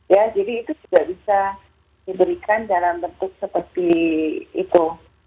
ya jadi itu tidak bisa diberikan dalam bentuk seperti itu